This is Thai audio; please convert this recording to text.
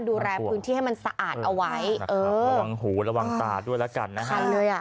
ดูแลพื้นที่ให้มันสะอาดเอาไว้ระวังหูระวังตาด้วยแล้วกันนะคะ